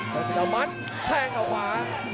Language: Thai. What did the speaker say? เจ้าสือเท้ามันแทงเอาขวา